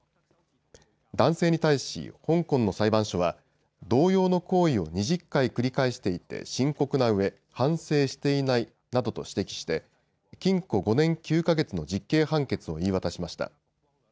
男性に対し香港の裁判所は同様の行為を２０回繰り返していて深刻なうえ反省していないなどと指摘して禁錮５年９か月の実刑判決を言い渡しました。